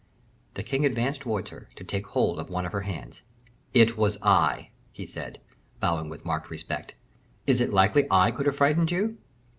The king advanced towards her, to take hold of one of her hands. "It was I," he said, bowing with marked respect. "Is it likely I could have frightened you?"